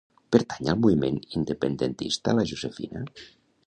Pertany al moviment independentista la Josefina?